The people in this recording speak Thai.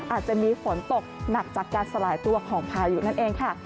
อาจจะมีฝนตกหนักจากการสลายตัวของพายุนั่นเองค่ะ